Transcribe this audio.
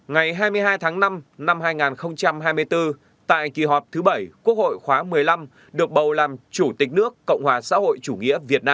ngày hai mươi hai tháng năm năm hai nghìn hai mươi bốn tại kỳ họp thứ bảy quốc hội khóa một mươi năm được bầu làm chủ tịch nước cộng hòa xã hội chủ nghĩa việt nam